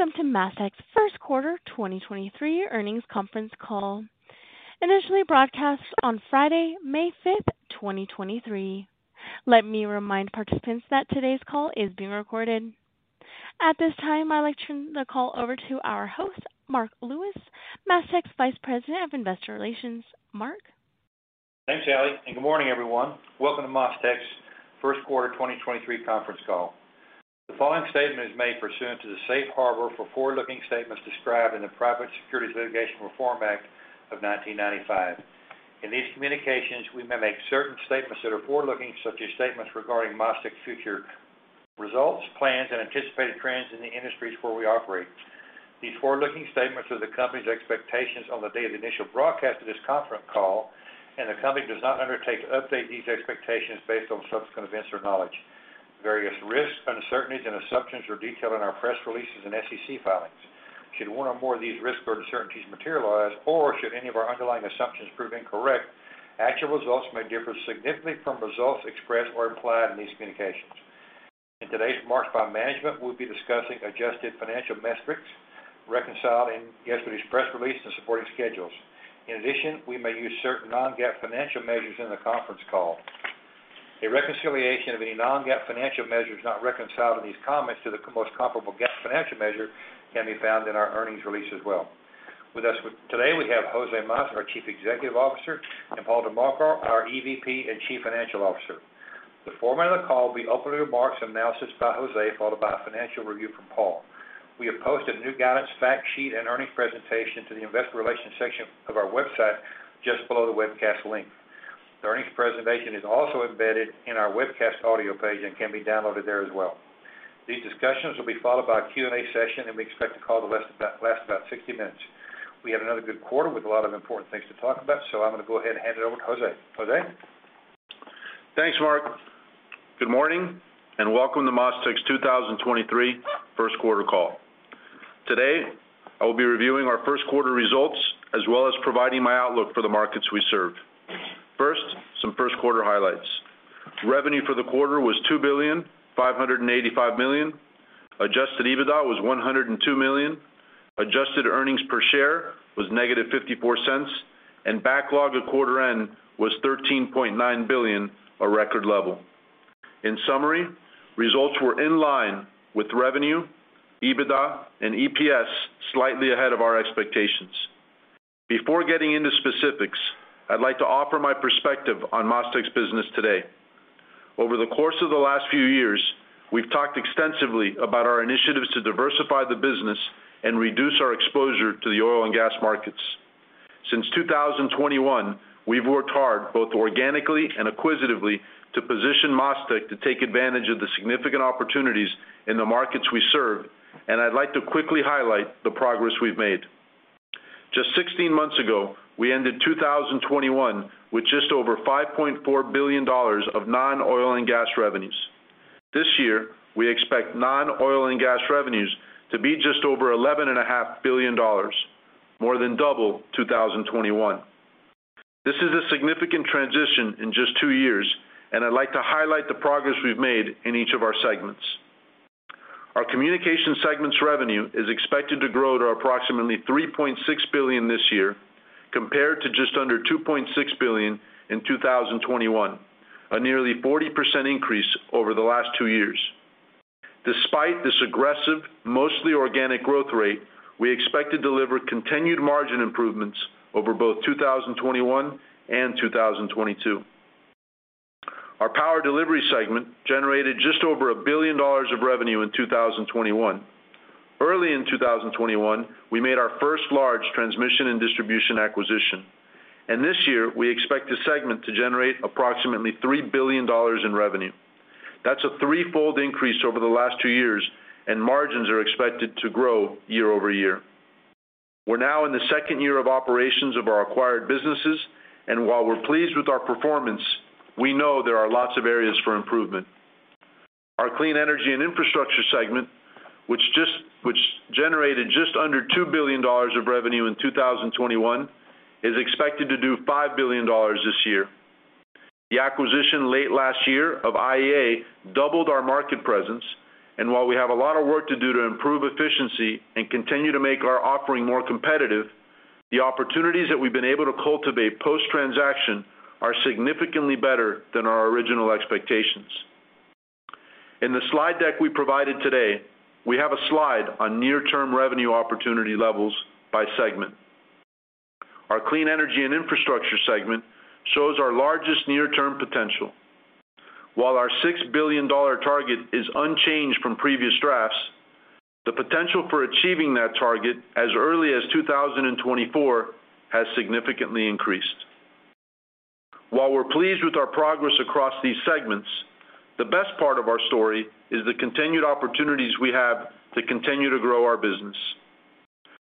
Welcome to MasTec's first quarter 2023 earnings conference call. Initially broadcast on Friday, May 5th, 2023. Let me remind participants that today's call is being recorded. At this time, I'd like to turn the call over to our host, Marc Lewis, MasTec's Vice President of Investor Relations. Marc? Thanks, Ali, and good morning, everyone. Welcome to MasTec's first quarter 2023 conference call. The following statement is made pursuant to the safe harbor for forward-looking statements described in the Private Securities Litigation Reform Act of 1995. In these communications, we may make certain statements that are forward-looking, such as statements regarding MasTec's future results, plans, and anticipated trends in the industries where we operate. These forward-looking statements are the company's expectations on the day of the initial broadcast of this conference call, and the company does not undertake to update these expectations based on subsequent events or knowledge. Various risks, uncertainties, and assumptions are detailed in our press releases and SEC filings. Should one or more of these risks or uncertainties materialize, or should any of our underlying assumptions prove incorrect, actual results may differ significantly from results expressed or implied in these communications. In today's remarks by management, we'll be discussing adjusted financial metrics reconciled in yesterday's press release and supporting schedules. In addition, we may use certain non-GAAP financial measures in the conference call. A reconciliation of any non-GAAP financial measures not reconciled in these comments to the most comparable GAAP financial measure can be found in our earnings release as well. With us today, we have Jose Mas, our Chief Executive Officer, and Paul DiMarco, our EVP and Chief Financial Officer. The format of the call will be opening remarks and analysis by Jose, followed by a financial review from Paul. We have posted new guidance, fact sheet, and earnings presentation to the investor relations section of our website just below the webcast link. The earnings presentation is also embedded in our webcast audio page and can be downloaded there as well. These discussions will be followed by a Q&A session, and we expect the call to last about 60 minutes. We had another good quarter with a lot of important things to talk about. I'm gonna go ahead and hand it over to Jose. Jose? Thanks, Marc Lewis. Good morning and welcome to MasTec's 2023 first quarter call. Today, I will be reviewing our first quarter results as well as providing my outlook for the markets we serve. First, some first quarter highlights. Revenue for the quarter was $2.585 billion. Adjusted EBITDA was $102 million. Adjusted earnings per share was -$0.54, and backlog at quarter end was $13.9 billion, a record level. In summary, results were in line with revenue, EBITDA, and EPS slightly ahead of our expectations. Before getting into specifics, I'd like to offer my perspective on MasTec's business today. Over the course of the last few years, we've talked extensively about our initiatives to diversify the business and reduce our exposure to the oil and gas markets. Since 2021, we've worked hard, both organically and acquisitively, to position MasTec to take advantage of the significant opportunities in the markets we serve, and I'd like to quickly highlight the progress we've made. Just 16 months ago, we ended 2021 with just over $5.4 billion of non-oil and gas revenues. This year, we expect non-oil and gas revenues to be just over $11.5 billion, more than double 2021. This is a significant transition in just two years, and I'd like to highlight the progress we've made in each of our segments. Our communications segment's revenue is expected to grow to approximately $3.6 billion this year compared to just under $2.6 billion in 2021, a nearly 40% increase over the last two years. Despite this aggressive, mostly organic growth rate, we expect to deliver continued margin improvements over both 2021 and 2022. Our power delivery segment generated just over $1 billion of revenue in 2021. Early in 2021, we made our first large transmission and distribution acquisition, and this year we expect the segment to generate approximately $3 billion in revenue. That's a threefold increase over the last two years, and margins are expected to grow year-over-year. We're now in the second year of operations of our acquired businesses, and while we're pleased with our performance, we know there are lots of areas for improvement. Our clean energy and infrastructure segment, which generated just under $2 billion of revenue in 2021, is expected to do $5 billion this year. The acquisition late last year of IEA doubled our market presence, and while we have a lot of work to do to improve efficiency and continue to make our offering more competitive, the opportunities that we've been able to cultivate post-transaction are significantly better than our original expectations. In the slide deck we provided today, we have a slide on near-term revenue opportunity levels by segment. Our clean energy and infrastructure segment shows our largest near-term potential. While our $6 billion target is unchanged from previous drafts, the potential for achieving that target as early as 2024 has significantly increased. While we're pleased with our progress across these segments, the best part of our story is the continued opportunities we have to continue to grow our business.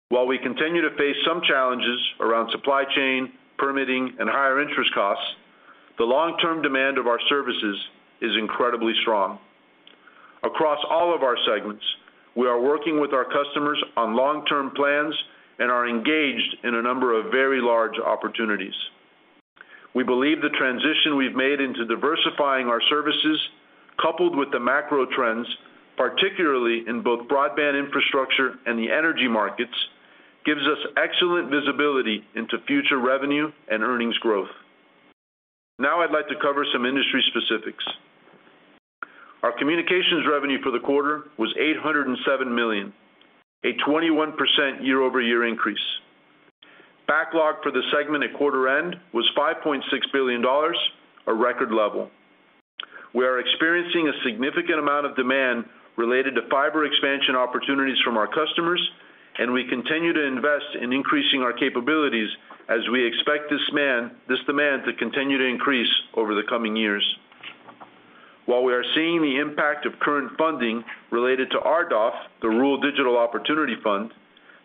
While we continue to face some challenges around supply chain, permitting, and higher interest costs, the long-term demand of our services is incredibly strong. Across all of our segments, we are working with our customers on long-term plans and are engaged in a number of very large opportunities. We believe the transition we've made into diversifying our services, coupled with the macro trends, particularly in both broadband infrastructure and the energy markets, gives us excellent visibility into future revenue and earnings growth. I'd like to cover some industry specifics. Our communications revenue for the quarter was $807 million, a 21% year-over-year increase. Backlog for the segment at quarter end was $5.6 billion, a record level. We are experiencing a significant amount of demand related to fiber expansion opportunities from our customers. We continue to invest in increasing our capabilities as we expect this demand to continue to increase over the coming years. While we are seeing the impact of current funding related to RDOF, the Rural Digital Opportunity Fund,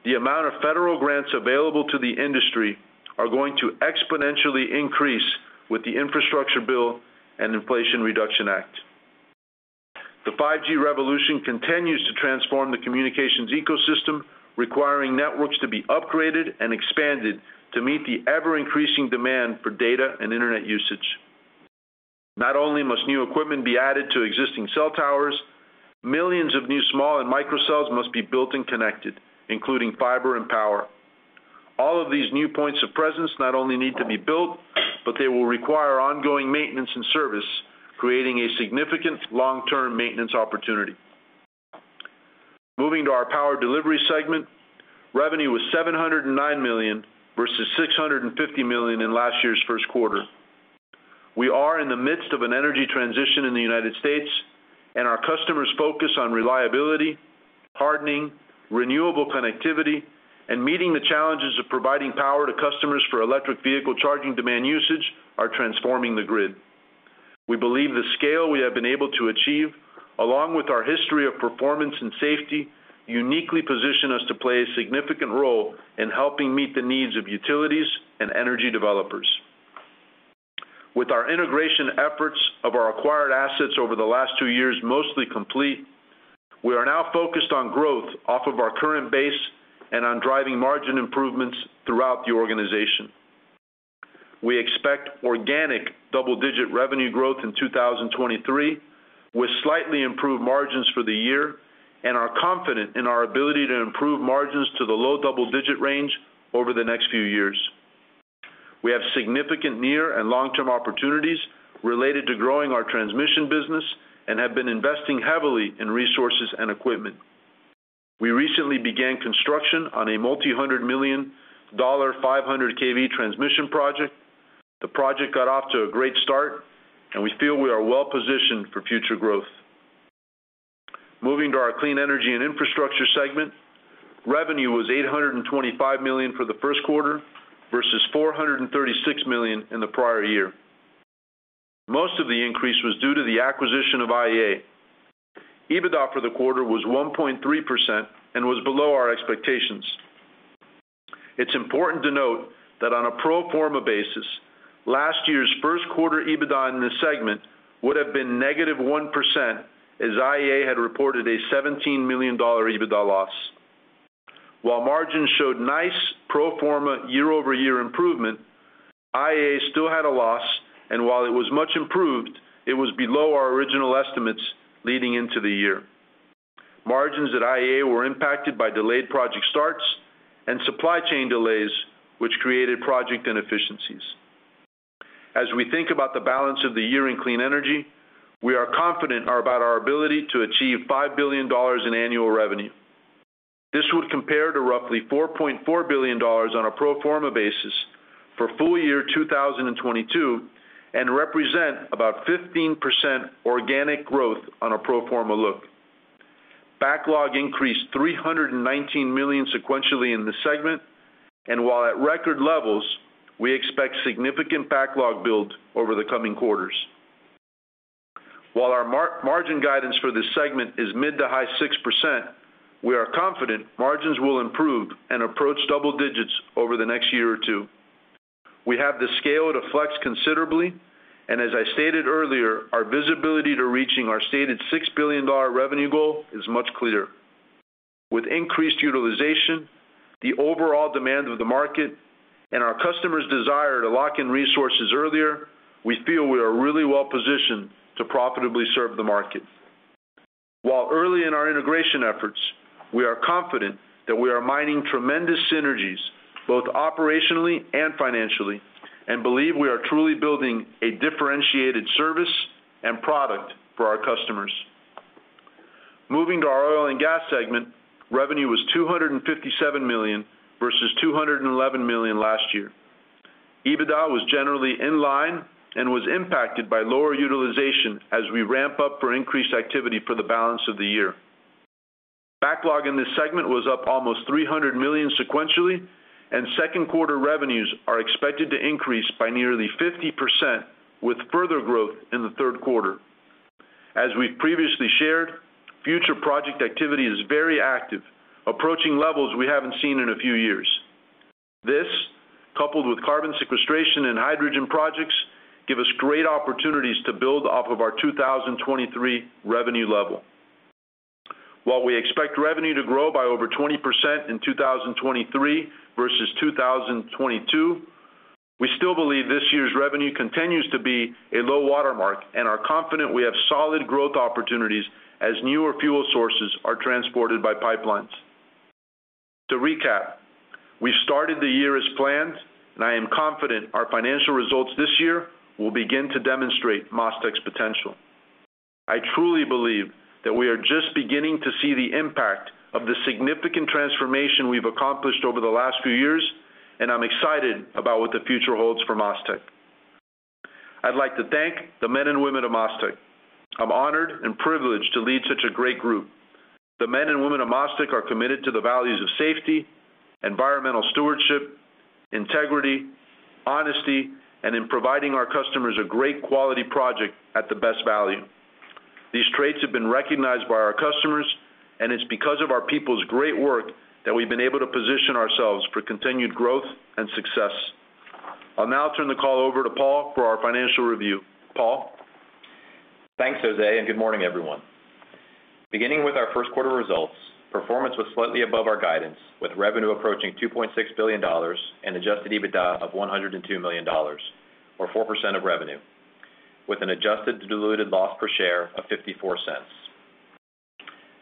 the amount of federal grants available to the industry are going to exponentially increase with the infrastructure bill and Inflation Reduction Act. The 5G revolution continues to transform the communications ecosystem, requiring networks to be upgraded and expanded to meet the ever-increasing demand for data and internet usage. Not only must new equipment be added to existing cell towers, millions of new small and micro cells must be built and connected, including fiber and power. All of these new points of presence not only need to be built, but they will require ongoing maintenance and service, creating a significant long-term maintenance opportunity. Moving to our power delivery segment, revenue was $709 million versus $650 million in last year's first quarter. We are in the midst of an energy transition in the U.S. Our customers' focus on reliability, hardening, renewable connectivity, and meeting the challenges of providing power to customers for electric vehicle charging demand usage are transforming the grid. We believe the scale we have been able to achieve, along with our history of performance and safety, uniquely position us to play a significant role in helping meet the needs of utilities and energy developers. With our integration efforts of our acquired assets over the last two years mostly complete, we are now focused on growth off of our current base and on driving margin improvements throughout the organization. We expect organic double-digit revenue growth in 2023, with slightly improved margins for the year and are confident in our ability to improve margins to the low double-digit range over the next few years. We have significant near and long-term opportunities related to growing our transmission business and have been investing heavily in resources and equipment. We recently began construction on a multi-$100 million 500 kV transmission project. The project got off to a great start, and we feel we are well-positioned for future growth. Moving to our clean energy and infrastructure segment, revenue was $825 million for the first quarter versus $436 million in the prior year. Most of the increase was due to the acquisition of IEA. EBITDA for the quarter was 1.3% and was below our expectations. It's important to note that on a pro forma basis, last year's first quarter EBITDA in this segment would have been negative 1%, as IEA had reported a $17 million EBITDA loss. While margins showed nice pro forma year-over-year improvement, IEA still had a loss, and while it was much improved, it was below our original estimates leading into the year. Margins at IEA were impacted by delayed project starts and supply chain delays, which created project inefficiencies. As we think about the balance of the year in clean energy, we are confident about our ability to achieve $5 billion in annual revenue. This would compare to roughly $4.4 billion on a pro forma basis for full year 2022 and represent about 15% organic growth on a pro forma look. Backlog increased $319 million sequentially in the segment. While at record levels, we expect significant backlog build over the coming quarters. Our margin guidance for this segment is mid-to-high 6%. We are confident margins will improve and approach double digits over the next year or two. We have the scale to flex considerably. As I stated earlier, our visibility to reaching our stated $6 billion revenue goal is much clearer. With increased utilization, the overall demand of the market, and our customers' desire to lock in resources earlier, we feel we are really well-positioned to profitably serve the market. While early in our integration efforts, we are confident that we are mining tremendous synergies, both operationally and financially, and believe we are truly building a differentiated service and product for our customers. Moving to our oil and gas segment, revenue was $257 million versus $211 million last year. EBITDA was generally in line and was impacted by lower utilization as we ramp up for increased activity for the balance of the year. Backlog in this segment was up almost $300 million sequentially, and second quarter revenues are expected to increase by nearly 50% with further growth in the third quarter. As we've previously shared, future project activity is very active, approaching levels we haven't seen in a few years. This, coupled with carbon sequestration and hydrogen projects, give us great opportunities to build off of our 2023 revenue level. While we expect revenue to grow by over 20% in 2023 versus 2022, we still believe this year's revenue continues to be a low watermark and are confident we have solid growth opportunities as newer fuel sources are transported by pipelines. To recap, we started the year as planned, and I am confident our financial results this year will begin to demonstrate MasTec's potential. I truly believe that we are just beginning to see the impact of the significant transformation we've accomplished over the last few years, and I'm excited about what the future holds for MasTec. I'd like to thank the men and women of MasTec. I'm honored and privileged to lead such a great group. The men and women of MasTec are committed to the values of safety, environmental stewardship, integrity, honesty, and in providing our customers a great quality project at the best value. These traits have been recognized by our customers, and it's because of our people's great work that we've been able to position ourselves for continued growth and success. I'll now turn the call over to Paul for our financial review. Paul? Thanks, Jose. Good morning, everyone. Beginning with our first quarter results, performance was slightly above our guidance, with revenue approaching $2.6 billion and adjusted EBITDA of $102 million, or 4% of revenue, with an adjusted diluted loss per share of $0.54.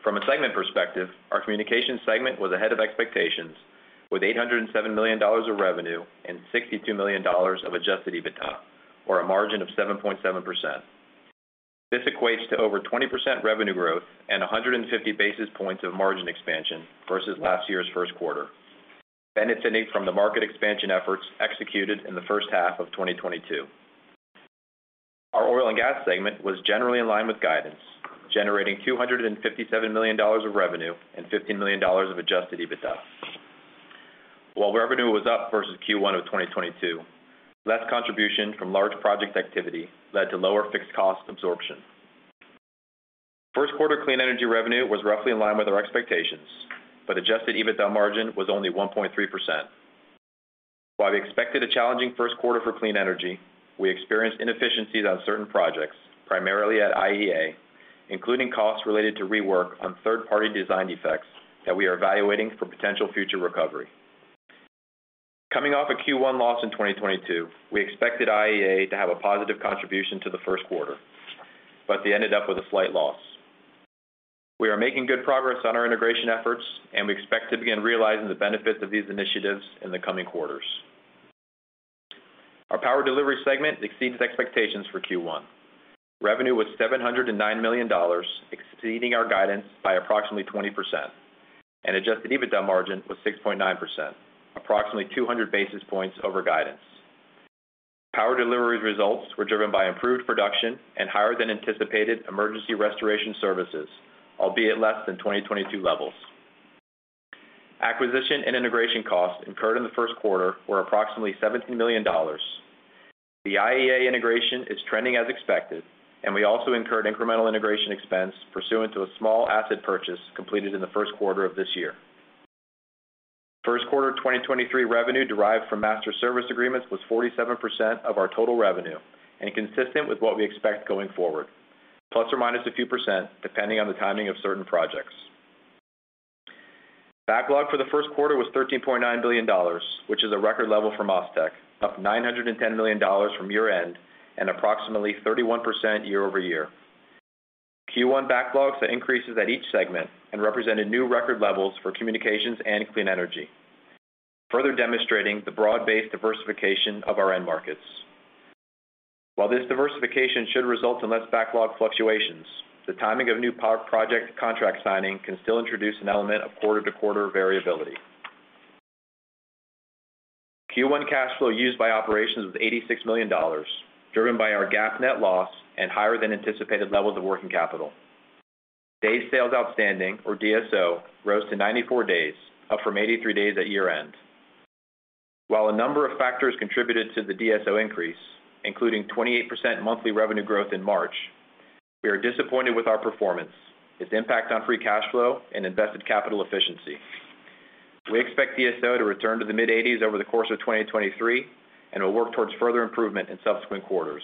From a segment perspective, our communications segment was ahead of expectations with $807 million of revenue and $62 million of adjusted EBITDA, or a margin of 7.7%. This equates to over 20% revenue growth and 150 basis points of margin expansion versus last year's first quarter, benefiting from the market expansion efforts executed in the first half of 2022. Our oil and gas segment was generally in line with guidance, generating $257 million of revenue and $50 million of adjusted EBITDA. While revenue was up versus Q1 of 2022, less contribution from large project activity led to lower fixed cost absorption. First quarter clean energy revenue was roughly in line with our expectations, but adjusted EBITDA margin was only 1.3%. While we expected a challenging first quarter for clean energy, we experienced inefficiencies on certain projects, primarily at IEA, including costs related to rework on third-party design defects that we are evaluating for potential future recovery. Coming off a Q1 loss in 2022, we expected IEA to have a positive contribution to the first quarter, but they ended up with a slight loss. We are making good progress on our integration efforts and we expect to begin realizing the benefits of these initiatives in the coming quarters. Our power delivery segment exceeds expectations for Q1. Revenue was $709 million, exceeding our guidance by approximately 20%. Adjusted EBITDA margin was 6.9%, approximately 200 basis points over guidance. Power delivery results were driven by improved production and higher than anticipated emergency restoration services, albeit less than 2022 levels. Acquisition and integration costs incurred in the first quarter were approximately $70 million. The IEA integration is trending as expected, and we also incurred incremental integration expense pursuant to a small asset purchase completed in the first quarter of this year. First quarter 2023 revenue derived from master service agreements was 47% of our total revenue and consistent with what we expect going forward, ± a few percent, depending on the timing of certain projects. Backlog for the first quarter was $13.9 billion, which is a record level for MasTec, up $910 million from year-end and approximately 31% year-over-year. Q1 backlogs increases at each segment and represented new record levels for communications and clean energy, further demonstrating the broad-based diversification of our end markets. While this diversification should result in less backlog fluctuations, the timing of new project contract signing can still introduce an element of quarter-to-quarter variability. Q1 cash flow used by operations was $86 million, driven by our GAAP net loss and higher than anticipated levels of working capital. Days Sales Outstanding, or DSO, rose to 94 days, up from 83 days at year-end. While a number of factors contributed to the DSO increase, including 28% monthly revenue growth in March, we are disappointed with our performance, its impact on free cash flow and invested capital efficiency. We expect DSO to return to the mid-80s over the course of 2023, and we'll work towards further improvement in subsequent quarters.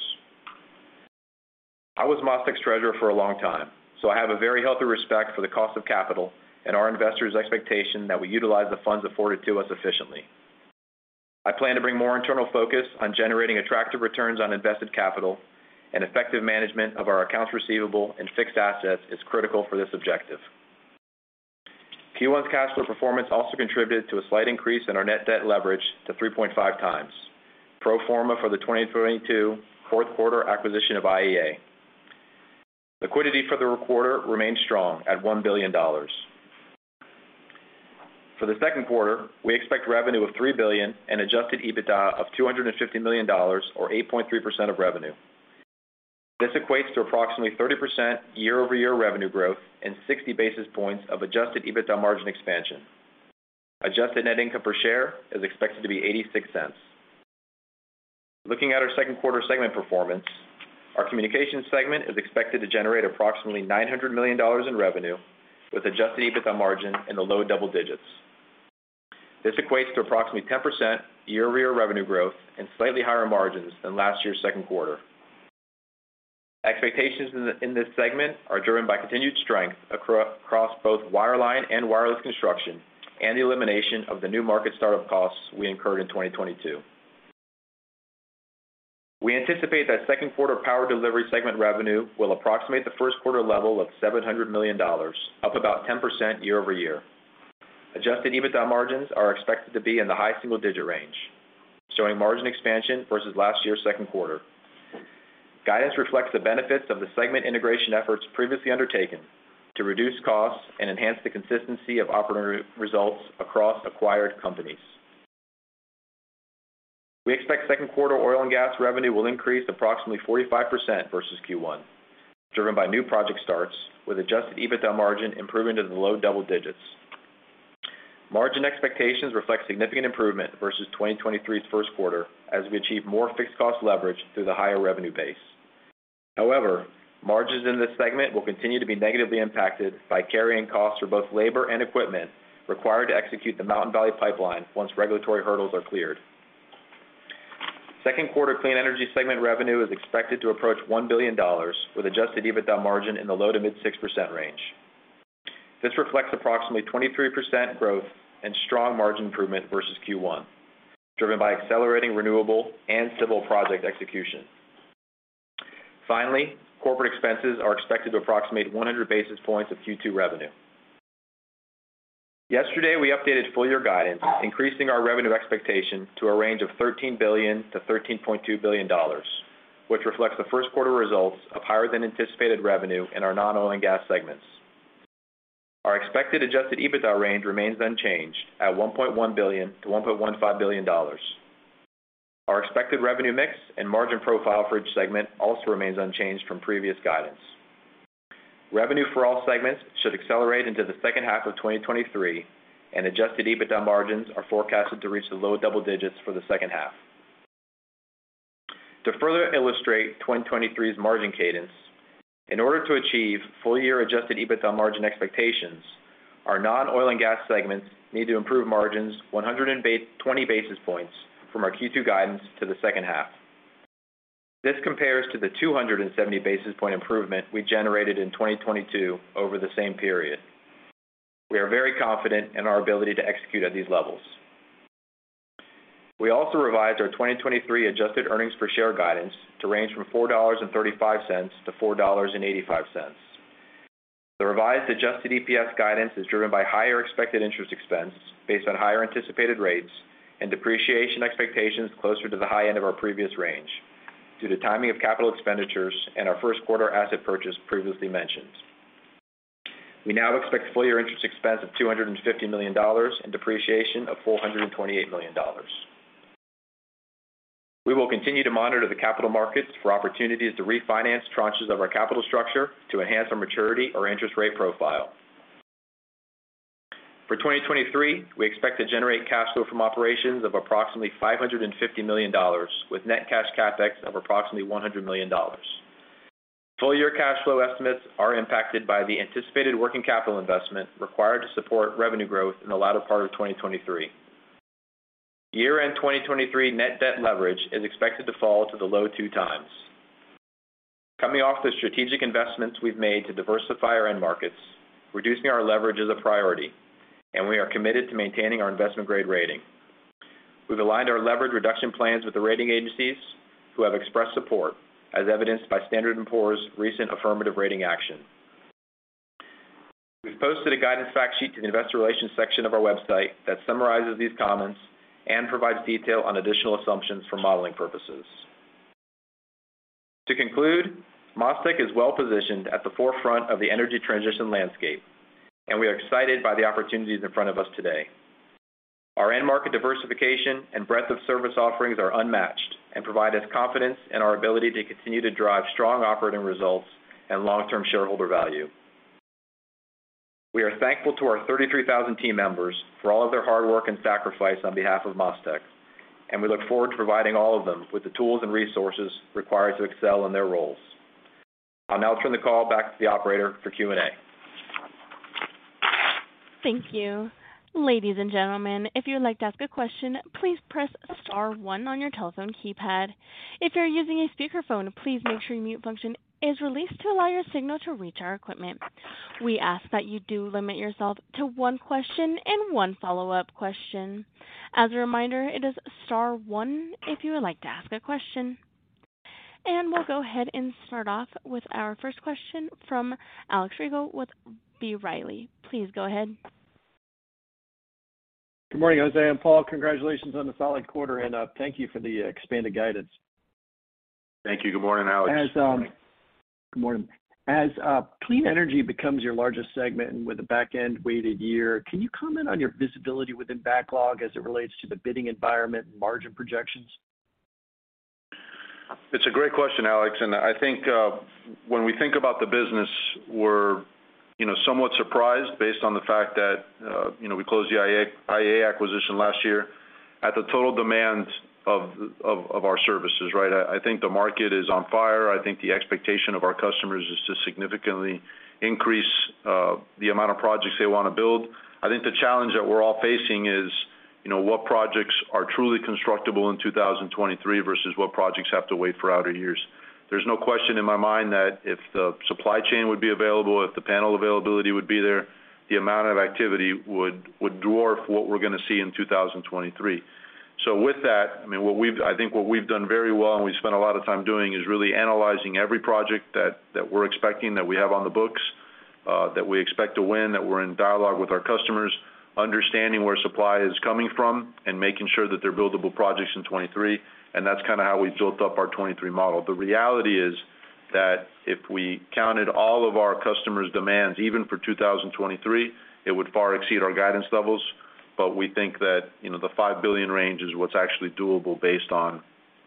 I was MasTec's treasurer for a long time, so I have a very healthy respect for the cost of capital and our investors' expectation that we utilize the funds afforded to us efficiently. I plan to bring more internal focus on generating attractive returns on invested capital and effective management of our accounts receivable and fixed assets is critical for this objective. Q1's cash flow performance also contributed to a slight increase in our net debt leverage to 3.5x, pro forma for the 2022 fourth quarter acquisition of IEA. Liquidity for the quarter remained strong at $1 billion. For the second quarter, we expect revenue of $3 billion and adjusted EBITDA of $250 million or 8.3% of revenue. This equates to approximately 30% year-over-year revenue growth and 60 basis points of adjusted EBITDA margin expansion. Adjusted net income per share is expected to be $0.86. Looking at our second quarter segment performance, our communications segment is expected to generate approximately $900 million in revenue with adjusted EBITDA margin in the low double digits. This equates to approximately 10% year-over-year revenue growth and slightly higher margins than last year's second quarter. Expectations in this segment are driven by continued strength across both wireline and wireless construction and the elimination of the new market startup costs we incurred in 2022. We anticipate that second quarter power delivery segment revenue will approximate the first quarter level of $700 million, up about 10% year-over-year. Adjusted EBITDA margins are expected to be in the high single-digit range, showing margin expansion versus last year's second quarter. Guidance reflects the benefits of the segment integration efforts previously undertaken to reduce costs and enhance the consistency of operating re-results across acquired companies. We expect second quarter oil and gas revenue will increase approximately 45% versus Q1, driven by new project starts with adjusted EBITDA margin improving to the low double digits. Margin expectations reflect significant improvement versus 2023's first quarter as we achieve more fixed cost leverage through the higher revenue base. However, margins in this segment will continue to be negatively impacted by carrying costs for both labor and equipment required to execute the Mountain Valley Pipeline once regulatory hurdles are cleared. Second quarter clean energy segment revenue is expected to approach $1 billion with adjusted EBITDA margin in the low to mid 6% range. This reflects approximately 23% growth and strong margin improvement versus Q1, driven by accelerating renewable and civil project execution. Finally, corporate expenses are expected to approximate 100 basis points of Q2 revenue. Yesterday, we updated full-year guidance, increasing our revenue expectation to a range of $13 billion-$13.2 billion, which reflects the first quarter results of higher than anticipated revenue in our non-oil and gas segments. Our expected adjusted EBITDA range remains unchanged at $1.1 billion-$1.15 billion. Our expected revenue mix and margin profile for each segment also remains unchanged from previous guidance. Revenue for all segments should accelerate into the second half of 2023, and adjusted EBITDA margins are forecasted to reach the low double digits for the second half. To further illustrate 2023's margin cadence, in order to achieve full year adjusted EBITDA margin expectations, our non-oil and gas segments need to improve margins 120 basis points from our Q2 guidance to the second half. This compares to the 270 basis point improvement we generated in 2022 over the same period. We are very confident in our ability to execute at these levels. We also revised our 2023 adjusted earnings per share guidance to range from $4.35-$4.85. The revised adjusted EPS guidance is driven by higher expected interest expense based on higher anticipated rates and depreciation expectations closer to the high end of our previous range due to timing of capital expenditures and our first quarter asset purchase previously mentioned. We now expect full year interest expense of $250 million and depreciation of $428 million. We will continue to monitor the capital markets for opportunities to refinance tranches of our capital structure to enhance our maturity or interest rate profile. For 2023, we expect to generate cash flow from operations of approximately $550 million with net cash CapEx of approximately $100 million. Full year cash flow estimates are impacted by the anticipated working capital investment required to support revenue growth in the latter part of 2023. Year-end 2023 net debt leverage is expected to fall to the low 2x. Coming off the strategic investments we've made to diversify our end markets, reducing our leverage is a priority, and we are committed to maintaining our investment-grade rating. We've aligned our leverage reduction plans with the rating agencies, who have expressed support, as evidenced by Standard & Poor's recent affirmative rating action. We've posted a guidance fact sheet to the investor relations section of our website that summarizes these comments and provides detail on additional assumptions for modeling purposes. To conclude, MasTec is well positioned at the forefront of the energy transition landscape, and we are excited by the opportunities in front of us today. Our end market diversification and breadth of service offerings are unmatched and provide us confidence in our ability to continue to drive strong operating results and long-term shareholder value. We are thankful to our 33,000 team members for all of their hard work and sacrifice on behalf of MasTec. We look forward to providing all of them with the tools and resources required to excel in their roles. I'll now turn the call back to the operator for Q&A. Thank you. Ladies and gentlemen, if you would like to ask a question, please press star one on your telephone keypad. If you're using a speakerphone, please make sure your mute function is released to allow your signal to reach our equipment. We ask that you do limit yourself to one question and one follow-up question. As a reminder, it is star one if you would like to ask a question. We'll go ahead and start off with our first question from Alex Rygiel with B. Riley. Please go ahead. Good morning, Jose and Paul. Congratulations on the solid quarter, and, thank you for the expanded guidance. Thank you. Good morning, Alex. Good morning. As clean energy becomes your largest segment and with a back-end weighted year, can you comment on your visibility within backlog as it relates to the bidding environment and margin projections? It's a great question, Alex, and I think, when we think about the business we're, you know, somewhat surprised based on the fact that, you know, we closed the IEA acquisition last year. At the total demands of our services, right? I think the market is on fire. I think the expectation of our customers is to significantly increase the amount of projects they wanna build. I think the challenge that we're all facing is, you know, what projects are truly constructible in 2023 versus what projects have to wait for outer years. There's no question in my mind that if the supply chain would be available, if the panel availability would be there, the amount of activity would dwarf what we're gonna see in 2023. With that, I mean, what I think what we've done very well, and we spent a lot of time doing, is really analyzing every project that we're expecting, that we have on the books, that we expect to win, that we're in dialogue with our customers, understanding where supply is coming from and making sure that they're buildable projects in 2023, and that's kinda how we've built up our 2023 model. The reality is that if we counted all of our customers' demands, even for 2023, it would far exceed our guidance levels. We think that, you know, the $5 billion range is what's actually doable based on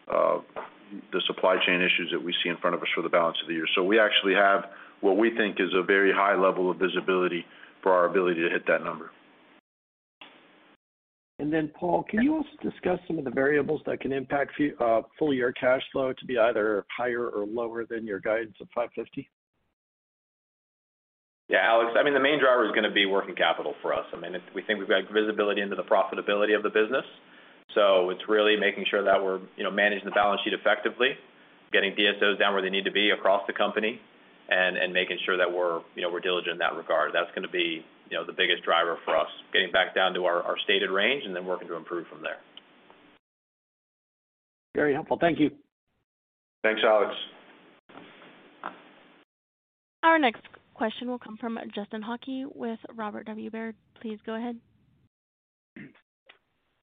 the supply chain issues that we see in front of us for the balance of the year. We actually have what we think is a very high level of visibility for our ability to hit that number. Paul, can you also discuss some of the variables that can impact full-year cash flow to be either higher or lower than your guidance of $550? Yeah, Alex, I mean, the main driver is gonna be working capital for us. I mean, we think we've got visibility into the profitability of the business. It's really making sure that we're, you know, managing the balance sheet effectively, getting DSOs down where they need to be across the company and making sure that we're, you know, we're diligent in that regard. That's gonna be, you know, the biggest driver for us, getting back down to our stated range and then working to improve from there. Very helpful. Thank you. Thanks, Alex. Our next question will come from Justin Hauke with Robert W. Baird. Please go ahead.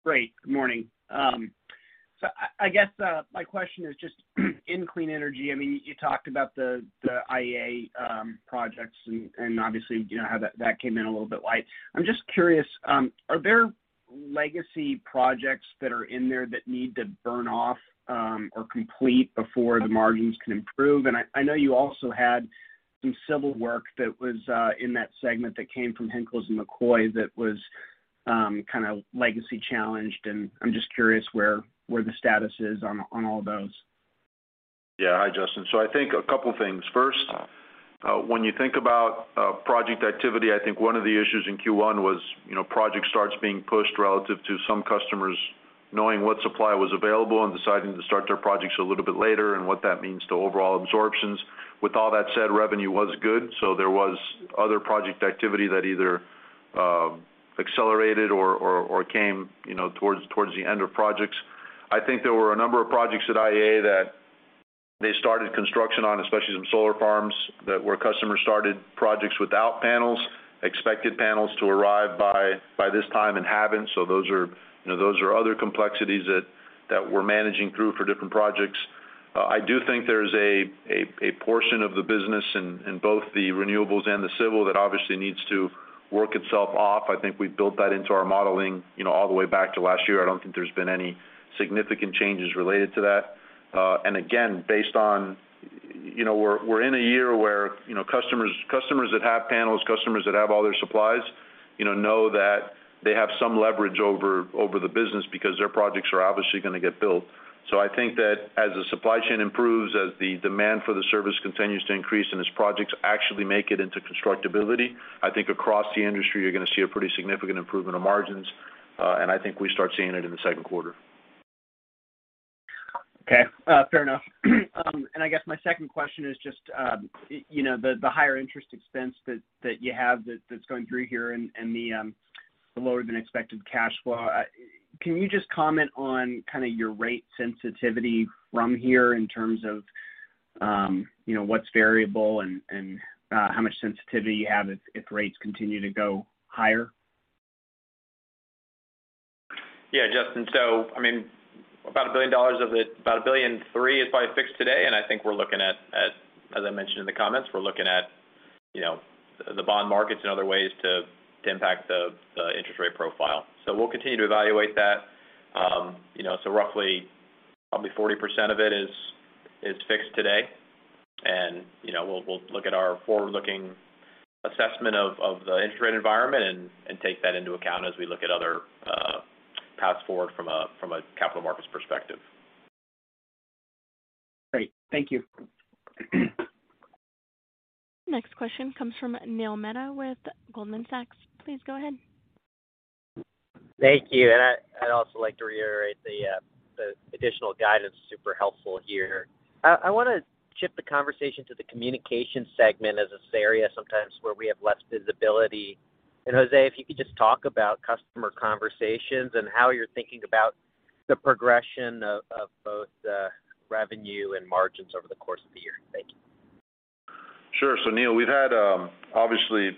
Great. Good morning. I guess, my question is just in clean energy. I mean, you talked about the IEA projects, and obviously, you know, how that came in a little bit light. I'm just curious, are there legacy projects that are in there that need to burn off, or complete before the margins can improve? I know you also had some civil work that was in that segment that came from Henkels & McCoy that was kind of legacy challenged, and I'm just curious where the status is on all those. Yeah. Hi, Justin. I think a couple things. First, when you think about project activity, I think one of the issues in Q1 was, you know, project starts being pushed relative to some customers knowing what supply was available and deciding to start their projects a little bit later and what that means to overall absorptions. With all that said, revenue was good, there was other project activity that either accelerated or came, you know, towards the end of projects. I think there were a number of projects at IEA that they started construction on, especially some solar farms, that where customers started projects without panels, expected panels to arrive by this time and haven't. Those are, you know, those are other complexities that we're managing through for different projects. I do think there's a portion of the business in both the renewables and the civil that obviously needs to work itself off. I think we've built that into our modeling, you know, all the way back to last year. I don't think there's been any significant changes related to that. You know, we're in a year where, you know, customers that have panels, customers that have all their supplies, you know that they have some leverage over the business because their projects are obviously gonna get built. I think that as the supply chain improves, as the demand for the service continues to increase and as projects actually make it into constructability, I think across the industry you're gonna see a pretty significant improvement of margins, and I think we start seeing it in the second quarter. Okay. Fair enough. I guess my second question is just, you know, the higher interest expense that you have that's going through here and the lower than expected cash flow. Can you just comment on kind of your rate sensitivity from here in terms of, you know, what's variable and how much sensitivity you have if rates continue to go higher? Yeah, Justin. I mean, about $1 billion of it, about $1.3 billion is probably fixed today. I think we're looking at, as I mentioned in the comments, we're looking at, you know, the bond markets and other ways to impact the interest rate profile. We'll continue to evaluate that. You know, roughly probably 40% of it is fixed today. You know, we'll look at our forward-looking assessment of the interest rate environment and take that into account as we look at other paths forward from a capital markets perspective. Great. Thank you. Next question comes from Neil Mehta with Goldman Sachs. Please go ahead. Thank you. I'd also like to reiterate the additional guidance, super helpful here. I wanna shift the conversation to the communication segment as this area sometimes where we have less visibility. José, if you could just talk about customer conversations and how you're thinking about the progression of both revenue and margins over the course of the year. Thank you. Sure. Neil, we've had, obviously,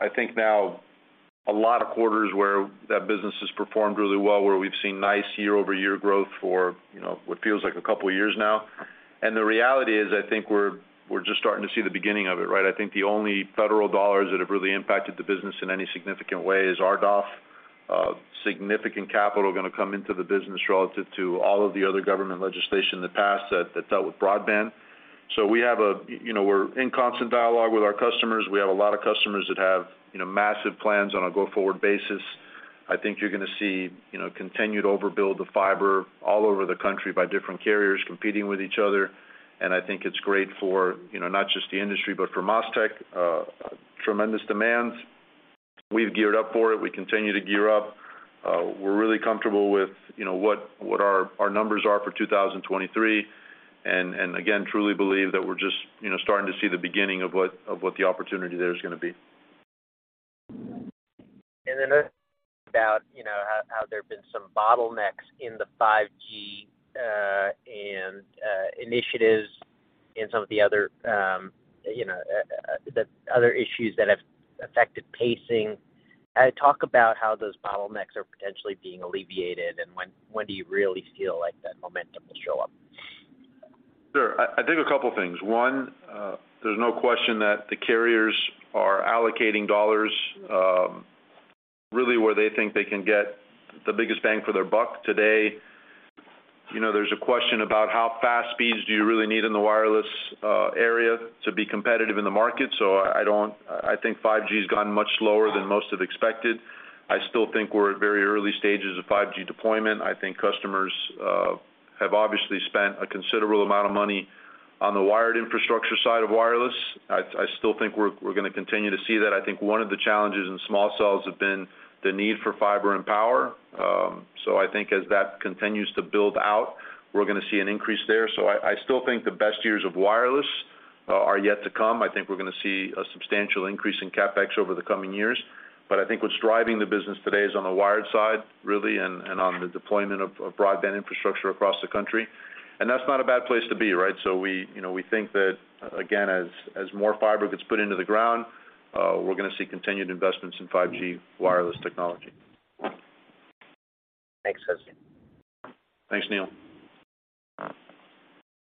I think now a lot of quarters where that business has performed really well, where we've seen nice year-over-year growth for, you know, what feels like a couple years now. The reality is, I think we're just starting to see the beginning of it, right? I think the only federal dollars that have really impacted the business in any significant way is RDOF. Significant capital going to come into the business relative to all of the other government legislation in the past that dealt with broadband. We have a, you know, we're in constant dialogue with our customers. We have a lot of customers that have, you know, massive plans on a go-forward basis. I think you're going to see, you know, continued overbuild of fiber all over the country by different carriers competing with each other. I think it's great for, you know, not just the industry, but for MasTec, tremendous demands. We've geared up for it. We continue to gear up. We're really comfortable with, you know, what our numbers are for 2023. Again, truly believe that we're just, you know, starting to see the beginning of what the opportunity there is gonna be. Then about, you know, how there have been some bottlenecks in the 5G, and initiatives and some of the other, you know, the other issues that have affected pacing? Talk about how those bottlenecks are potentially being alleviated, and when do you really feel like that momentum will show up? Sure. I think a couple things. One, there's no question that the carriers are allocating dollars, really where they think they can get the biggest bang for their buck. Today, you know, there's a question about how fast speeds do you really need in the wireless area to be competitive in the market. I think 5G has gone much slower than most have expected. I still think we're at very early stages of 5G deployment. I think customers have obviously spent a considerable amount of money on the wired infrastructure side of wireless. I still think we're gonna continue to see that. I think one of the challenges in small cells have been the need for fiber and power. I think as that continues to build out, we're gonna see an increase there. I still think the best years of wireless are yet to come. I think we're gonna see a substantial increase in CapEx over the coming years. I think what's driving the business today is on the wired side, really, and on the deployment of broadband infrastructure across the country. That's not a bad place to be, right? We, you know, we think that, again, as more fiber gets put into the ground, we're gonna see continued investments in 5G wireless technology. Thanks, Jose. Thanks, Neil.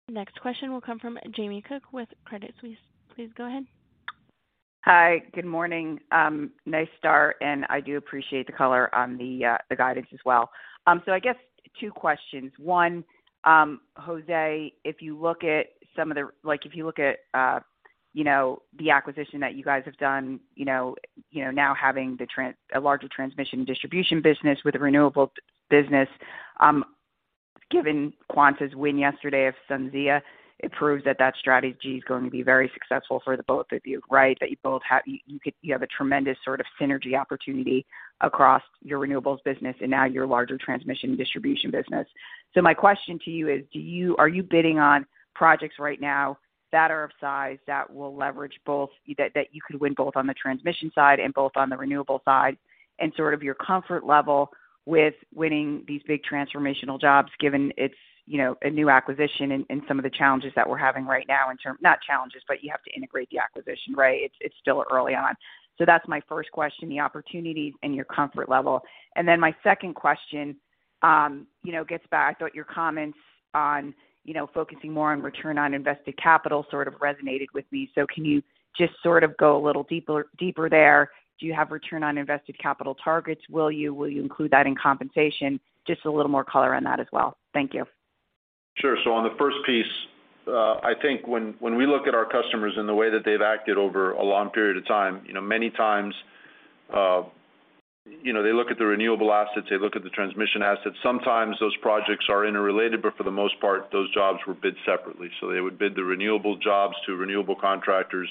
Next question will come from Jamie Cook with Credit Suisse. Please go ahead. Hi. Good morning. Nice start, and I do appreciate the color on the guidance as well. I guess two questions. One, Jose, if you look at, you know, the acquisition that you guys have done, you know, now having a larger transmission and distribution business with a renewable business, given Quanta's win yesterday of SunZia, it proves that that strategy is going to be very successful for the both of you, right? You have a tremendous sort of synergy opportunity across your renewables business and now your larger transmission and distribution business. My question to you is, are you bidding on projects right now that are of size that will leverage both, that you could win both on the transmission side and both on the renewable side, and sort of your comfort level with winning these big transformational jobs, given it's, you know, a new acquisition and some of the challenges that we're having right now Not challenges, but you have to integrate the acquisition, right? It's still early on. That's my first question, the opportunities and your comfort level. Then my second question, you know, gets back. I thought your comments on, you know, focusing more on return on invested capital sort of resonated with me. Can you just sort of go a little deeper there? Do you have return on invested capital targets? Will you include that in compensation? Just a little more color on that as well. Thank you. Sure. On the first piece, I think when we look at our customers and the way that they've acted over a long period of time, you know, many times, you know, they look at the renewable assets, they look at the transmission assets. Sometimes those projects are interrelated, but for the most part, those jobs were bid separately. They would bid the renewable jobs to renewable contractors,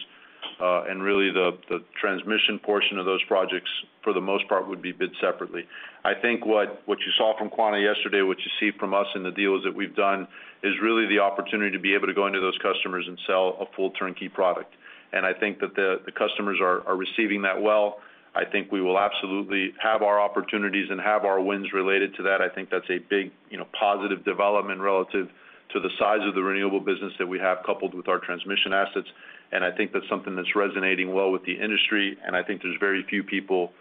and really the transmission portion of those projects, for the most part, would be bid separately. I think what you saw from Quanta yesterday, what you see from us in the deals that we've done, is really the opportunity to be able to go into those customers and sell a full turnkey product. I think that the customers are receiving that well. I think we will absolutely have our opportunities and have our wins related to that. I think that's a big, you know, positive development relative to the size of the renewable business that we have coupled with our transmission assets. I think that's something that's resonating well with the industry, and I think there's very few people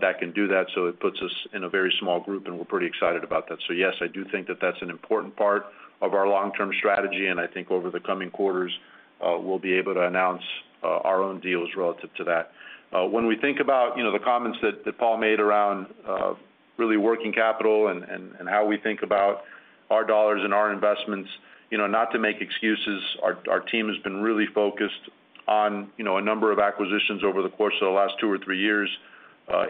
that can do that. It puts us in a very small group, and we're pretty excited about that. Yes, I do think that that's an important part of our long-term strategy, and I think over the coming quarters, we'll be able to announce our own deals relative to that. When we think about, you know, the comments that Paul made around, really working capital and how we think about our dollars and our investments, you know, not to make excuses, our team has been really focused on, you know, a number of acquisitions over the course of the last two or three years.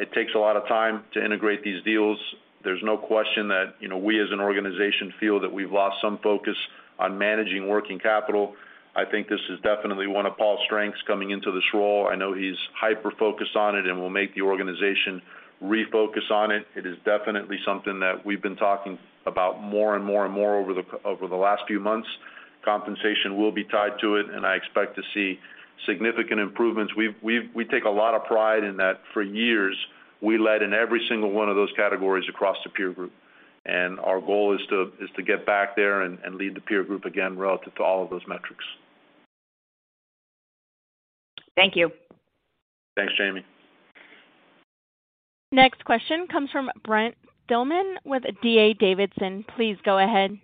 It takes a lot of time to integrate these deals. There's no question that, you know, we as an organization feel that we've lost some focus on managing working capital. I think this is definitely one of Paul's strengths coming into this role. I know he's hyper-focused on it and will make the organization refocus on it. It is definitely something that we've been talking about more and more and more over the last few months. Compensation will be tied to it, and I expect to see significant improvements. We take a lot of pride in that for years, we led in every single one of those categories across the peer group. Our goal is to get back there and lead the peer group again relative to all of those metrics. Thank you. Thanks, Jamie. Next question comes from Brent Thielman with D.A. Davidson. Please go ahead.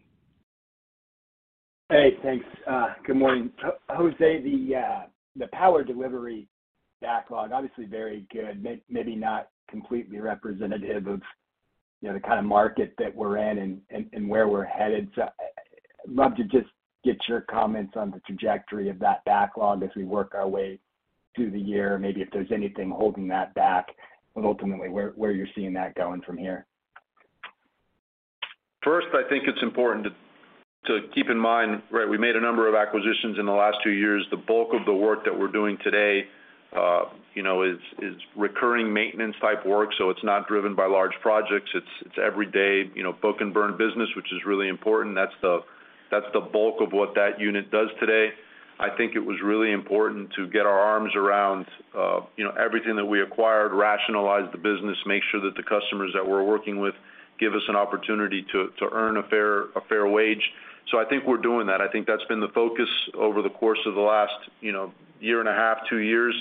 Hey, thanks. Good morning. Jose, the power delivery backlog, obviously very good. Maybe not completely representative of You know, the kind of market that we're in and where we're headed. I'd love to just get your comments on the trajectory of that backlog as we work our way through the year. Maybe if there's anything holding that back, but ultimately, where you're seeing that going from here? First, I think it's important to keep in mind, right, we made a number of acquisitions in the last two years. The bulk of the work that we're doing today, you know, is recurring maintenance type work, so it's not driven by large projects. It's everyday, you know, book and burn business, which is really important. That's the bulk of what that unit does today. I think it was really important to get our arms around, you know, everything that we acquired, rationalize the business, make sure that the customers that we're working with give us an opportunity to earn a fair wage. I think we're doing that. I think that's been the focus over the course of the last, you know, year and a half, two years.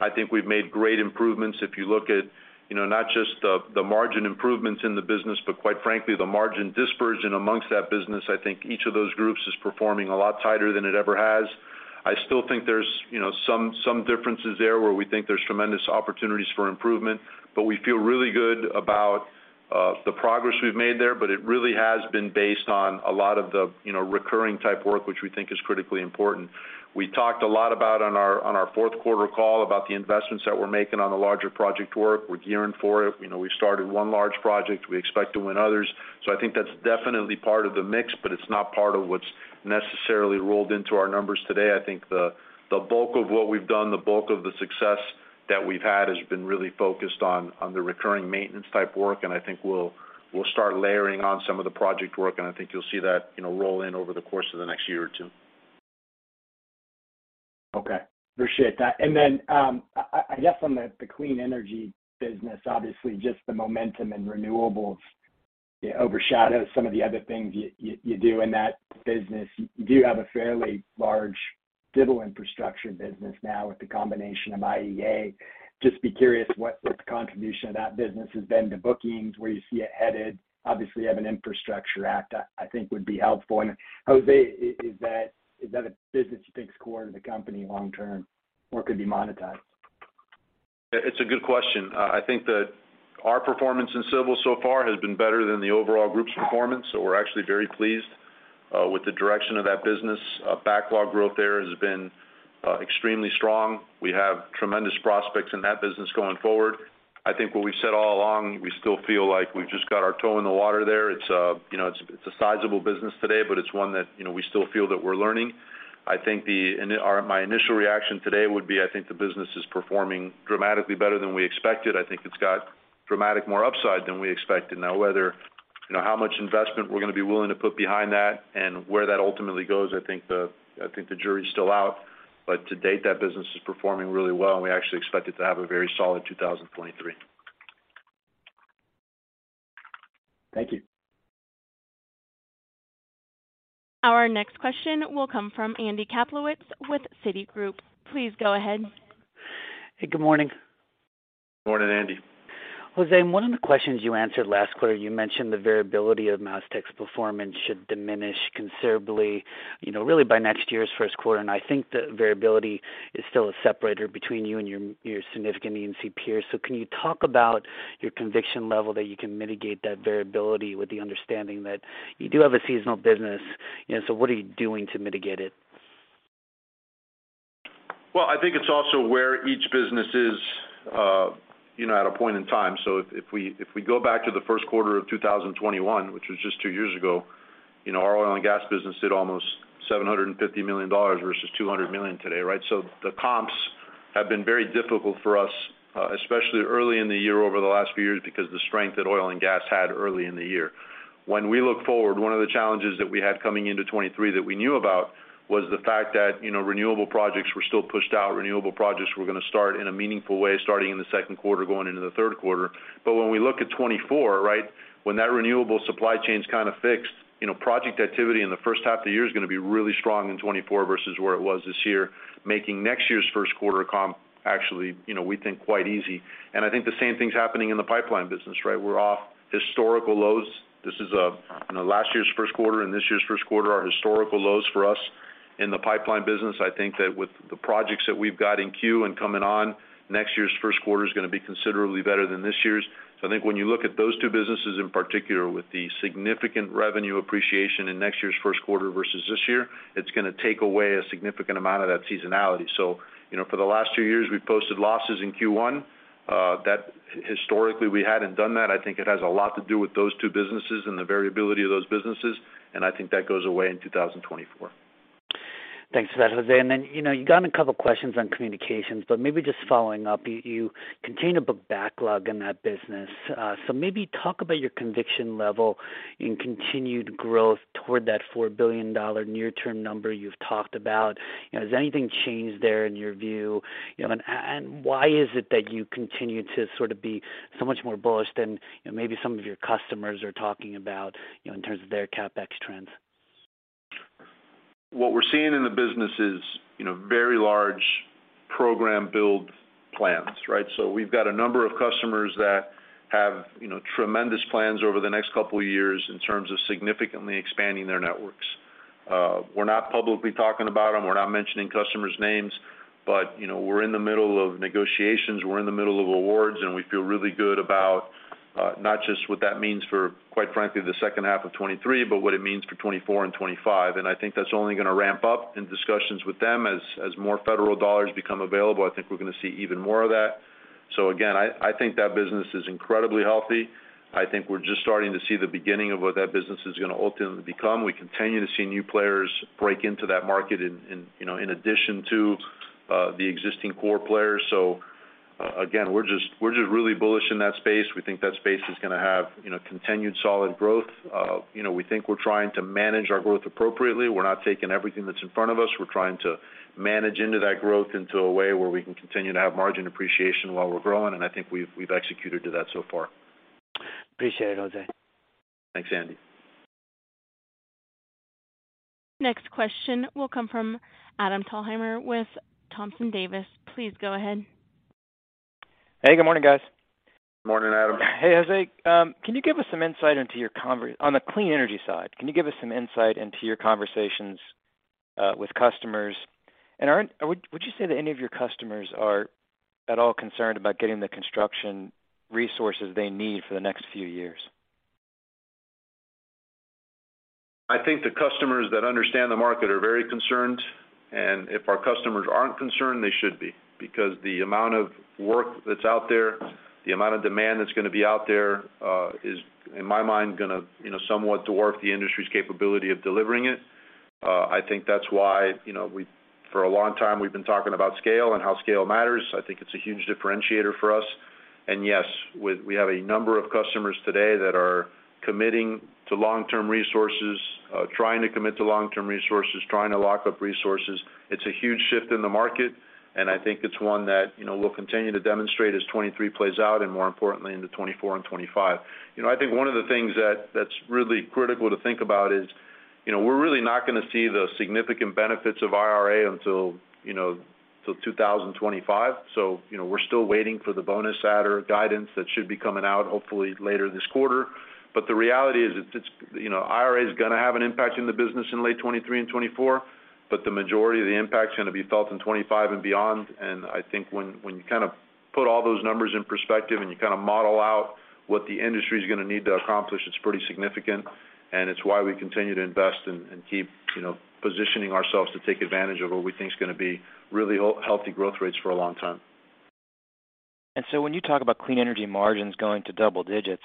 I think we've made great improvements. If you look at, you know, not just the margin improvements in the business, but quite frankly, the margin dispersion amongst that business, I think each of those groups is performing a lot tighter than it ever has. I still think there's, you know, some differences there, where we think there's tremendous opportunities for improvement, but we feel really good about the progress we've made there. It really has been based on a lot of the, you know, recurring type work, which we think is critically important. We talked a lot about on our fourth quarter call about the investments that we're making on the larger project work. We're gearing for it. You know, we started one large project. We expect to win others. I think that's definitely part of the mix, but it's not part of what's necessarily rolled into our numbers today. The bulk of what we've done, the bulk of the success that we've had has been really focused on the recurring maintenance type work, and I think we'll start layering on some of the project work, and I think you'll see that, you know, roll in over the course of the next year or two. Okay. Appreciate that. I guess on the clean energy business, obviously just the momentum and renewables, it overshadows some of the other things you do in that business. You do have a fairly large civil infrastructure business now with the combination of IEA. Just be curious what the contribution of that business has been to bookings, where you see it headed. Obviously, you have an infrastructure act, I think would be helpful. Jose, is that a business you think is core to the company long term or could be monetized? It's a good question. I think that our performance in civil so far has been better than the overall group's performance, so we're actually very pleased with the direction of that business. Backlog growth there has been extremely strong. We have tremendous prospects in that business going forward. I think what we've said all along, we still feel like we've just got our toe in the water there. It's, you know, it's a sizable business today, but it's one that, you know, we still feel that we're learning. My initial reaction today would be, I think the business is performing dramatically better than we expected. I think it's got dramatic more upside than we expected. Whether, you know, how much investment we're gonna be willing to put behind that and where that ultimately goes, I think the jury's still out. To date, that business is performing really well, and we actually expect it to have a very solid 2023. Thank you. Our next question will come from Andy Kaplowitz with Citigroup. Please go ahead. Hey, good morning. Morning, Andy. Jose, in one of the questions you answered last quarter, you mentioned the variability of MasTec's performance should diminish considerably, you know, really by next year's first quarter. I think the variability is still a separator between you and your significant E&C peers. Can you talk about your conviction level that you can mitigate that variability with the understanding that you do have a seasonal business, and so what are you doing to mitigate it? I think it's also where each business is, you know, at a point in time. If we go back to the first quarter of 2021, which was just two years ago, you know, our oil and gas business did almost $750 million versus $200 million today, right? The comps have been very difficult for us, especially early in the year over the last few years because the strength that oil and gas had early in the year. When we look forward, one of the challenges that we had coming into 2023 that we knew about was the fact that, you know, renewable projects were still pushed out. Renewable projects were gonna start in a meaningful way, starting in the second quarter, going into the third quarter. When we look at 2024, right? When that renewable supply chain's kind of fixed, you know, project activity in the first half of the year is gonna be really strong in 2024 versus where it was this year, making next year's first quarter comp actually, you know, we think quite easy. I think the same thing's happening in the pipeline business, right? We're off historical lows. This is, you know, last year's first quarter and this year's first quarter are historical lows for us in the pipeline business. I think that with the projects that we've got in queue and coming on, next year's first quarter is gonna be considerably better than this year's. I think when you look at those two businesses in particular, with the significant revenue appreciation in next year's first quarter versus this year, it's gonna take away a significant amount of that seasonality. You know, for the last two years, we've posted losses in Q1. That historically we hadn't done that. I think it has a lot to do with those two businesses and the variability of those businesses, and I think that goes away in 2024. Thanks for that, Jose. You know, you've gotten a couple questions on communications, but maybe just following up. You continue to book backlog in that business. Maybe talk about your conviction level in continued growth toward that $4 billion near-term number you've talked about. You know, has anything changed there in your view? You know, why is it that you continue to sort of be so much more bullish than, you know, maybe some of your customers are talking about, you know, in terms of their CapEx trends? What we're seeing in the business is, you know, very large program build plans, right? We've got a number of customers that have, you know, tremendous plans over the next couple of years in terms of significantly expanding their networks. We're not publicly talking about them. We're not mentioning customers' names, but, you know, we're in the middle of negotiations, we're in the middle of awards, and we feel really good about not just what that means for, quite frankly, the second half of 2023, but what it means for 2024 and 2025. I think that's only gonna ramp up in discussions with them as more federal dollars become available, I think we're gonna see even more of that. Again, I think that business is incredibly healthy. I think we're just starting to see the beginning of what that business is gonna ultimately become. We continue to see new players break into that market in, you know, in addition to the existing core players. Again, we're just really bullish in that space. We think that space is gonna have, you know, continued solid growth. You know, we think we're trying to manage our growth appropriately. We're not taking everything that's in front of us. We're trying to manage into that growth into a way where we can continue to have margin appreciation while we're growing, and I think we've executed to that so far. Appreciate it, Jose. Thanks, Andy. Next question will come from Adam Thalhimer with Thompson Davis. Please go ahead. Hey, good morning, guys. Morning, Adam. Hey, Jose. On the clean energy side, can you give us some insight into your conversations with customers? Would you say that any of your customers are at all concerned about getting the construction resources they need for the next few years? I think the customers that understand the market are very concerned, and if our customers aren't concerned, they should be. The amount of work that's out there, the amount of demand that's gonna be out there, is, in my mind, gonna, you know, somewhat dwarf the industry's capability of delivering it. I think that's why, you know, for a long time we've been talking about scale and how scale matters. I think it's a huge differentiator for us. Yes, we have a number of customers today that are committing to long-term resources, trying to commit to long-term resources, trying to lock up resources. It's a huge shift in the market, and I think it's one that, you know, we'll continue to demonstrate as 23 plays out, and more importantly, into 24 and 25. You know, I think one of the things that's really critical to think about is, you know, we're really not gonna see the significant benefits of IRA until, you know, till 2025. You know, we're still waiting for the bonus adder guidance that should be coming out hopefully later this quarter. The reality is it's. You know, IRA is gonna have an impact in the business in late 2023 and 2024, but the majority of the impact is gonna be felt in 2025 and beyond. I think when you kind of put all those numbers in perspective and you kind of model out what the industry's gonna need to accomplish, it's pretty significant, and it's why we continue to invest and keep, you know, positioning ourselves to take advantage of what we think is gonna be really healthy growth rates for a long time. When you talk about clean energy margins going to double digits,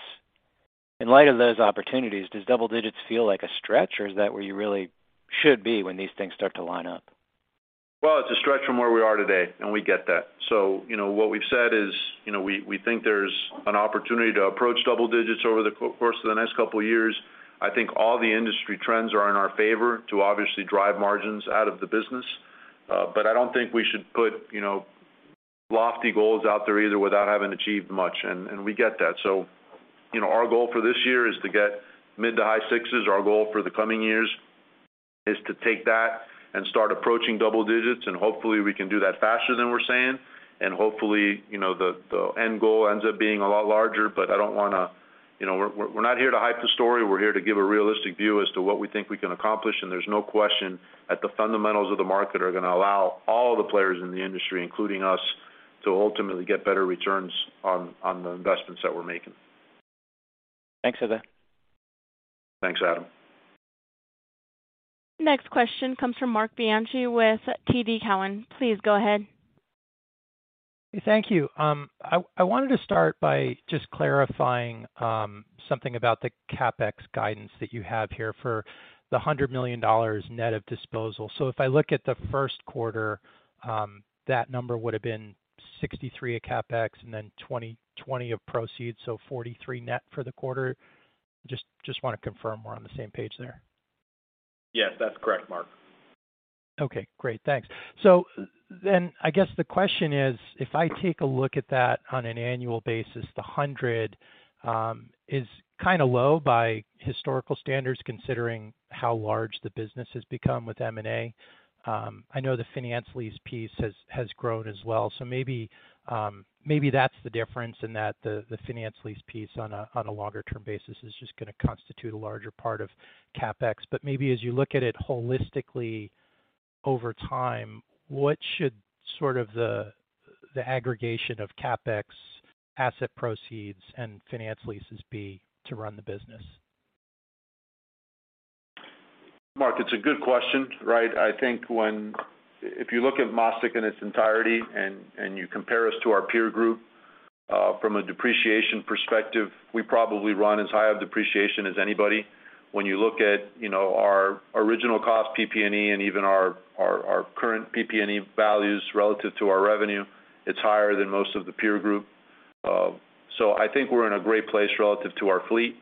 in light of those opportunities, does double digits feel like a stretch, or is that where you really should be when these things start to line up? It's a stretch from where we are today, and we get that. You know, what we've said is, you know, we think there's an opportunity to approach double digits over the course of the next couple of years. I think all the industry trends are in our favor to obviously drive margins out of the business. I don't think we should put, you know, lofty goals out there either without having achieved much, and we get that. You know, our goal for this year is to get mid to high sixes. Our goal for the coming years is to take that and start approaching double digits. Hopefully, we can do that faster than we're saying. Hopefully, you know, the end goal ends up being a lot larger. I don't wanna... You know, we're not here to hype the story. We're here to give a realistic view as to what we think we can accomplish, and there's no question that the fundamentals of the market are gonna allow all the players in the industry, including us, to ultimately get better returns on the investments that we're making. Thanks, Jose. Thanks, Adam. Next question comes from Marc Bianchi with TD Cowen. Please go ahead. Thank you. I wanted to start by just clarifying something about the CapEx guidance that you have here for the $100 million net of disposal. If I look at the first quarter, that number would have been $63 of CapEx and then $20 of proceeds, so $43 net for the quarter. Just wanna confirm we're on the same page there. Yes, that's correct, Marc. Okay, great. Thanks. I guess the question is, if I take a look at that on an annual basis, the $100 is kinda low by historical standards, considering how large the business has become with M&A. I know the finance lease piece has grown as well. Maybe that's the difference in that the finance lease piece on a longer term basis is just gonna constitute a larger part of CapEx. Maybe as you look at it holistically over time, what should sort of the aggregation of CapEx asset proceeds and finance leases be to run the business? Marc, it's a good question, right? I think If you look at MasTec in its entirety and you compare us to our peer group, from a depreciation perspective, we probably run as high of depreciation as anybody. When you look at, you know, our original cost, PP&E, and even our current PP&E values relative to our revenue, it's higher than most of the peer group. I think we're in a great place relative to our fleet.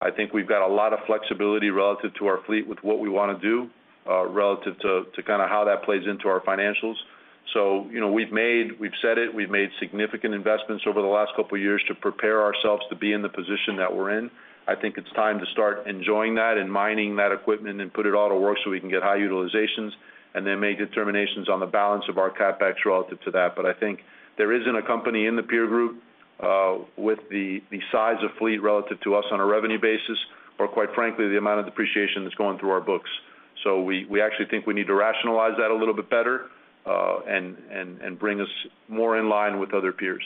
I think we've got a lot of flexibility relative to our fleet with what we wanna do, relative to kinda how that plays into our financials. You know, We've said it, we've made significant investments over the last couple of years to prepare ourselves to be in the position that we're in. I think it's time to start enjoying that and mining that equipment and put it all to work so we can get high utilizations and then make determinations on the balance of our CapEx relative to that. I think there isn't a company in the peer group with the size of fleet relative to us on a revenue basis, or quite frankly, the amount of depreciation that's going through our books. We actually think we need to rationalize that a little bit better and bring us more in line with other peers.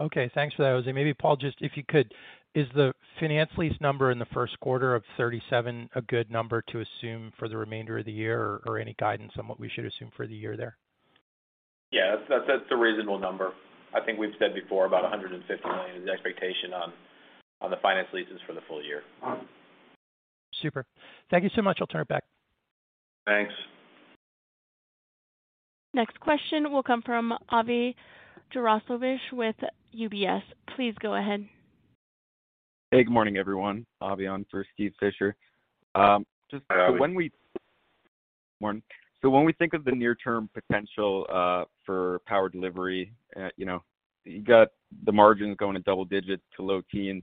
Okay. Thanks for that, Jose. Maybe Paul, just if you could, is the finance lease number in the first quarter of $37 a good number to assume for the remainder of the year? Or any guidance on what we should assume for the year there? Yeah. That's a reasonable number. I think we've said before, about $150 million is the expectation on the finance leases for the full year. Super. Thank you so much. I'll turn it back. Thanks. Next question will come from Avi Jaroslawicz with UBS. Please go ahead. Hey, good morning, everyone. Avi on for Steve Fisher. Hi, Avi. Morning. When we think of the near-term potential for power delivery, you know, you got the margins going to double digit to low teens.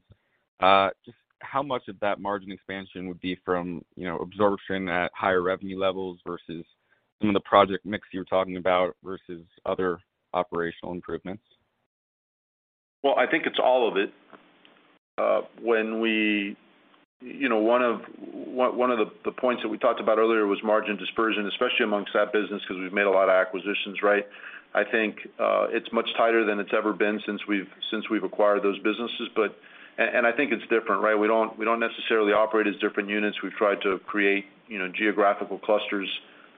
Just how much of that margin expansion would be from, you know, absorption at higher revenue levels versus some of the project mix you're talking about versus other operational improvements? Well, I think it's all of it. You know, one of the points that we talked about earlier was margin dispersion, especially amongst that business, 'cause we've made a lot of acquisitions, right? I think it's much tighter than it's ever been since we've acquired those businesses. I think it's different, right? We don't necessarily operate as different units. We've tried to create, you know, geographical clusters,